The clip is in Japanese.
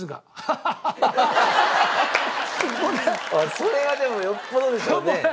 それはでもよっぽどでしょうね。